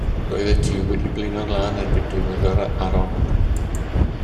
Roeddet ti wedi blino'n lân erbyn diwedd yr arolwg.